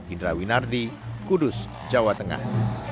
indra winardi kudus jawa tengah